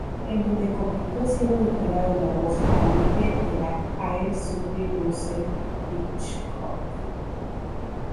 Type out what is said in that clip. En donde compitió siendo declarado la voz-a-like de la "Air Supply Russel Hitchcock".